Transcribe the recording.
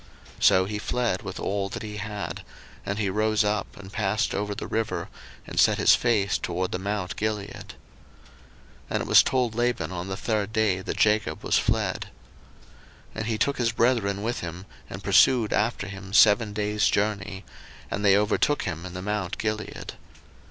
01:031:021 So he fled with all that he had; and he rose up, and passed over the river, and set his face toward the mount Gilead. 01:031:022 And it was told Laban on the third day that Jacob was fled. 01:031:023 And he took his brethren with him, and pursued after him seven days' journey; and they overtook him in the mount Gilead.